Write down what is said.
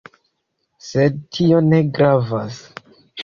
Sed tio ne gravas